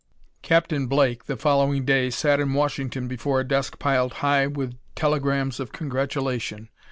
Captain Blake, the following day, sat in Washington before a desk piled high with telegrams of congratulation.